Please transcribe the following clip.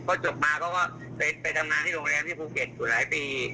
พอจบมาเขาก็ไปทำงานที่โรงแรมที่ภูเก็ตอยู่หลายปี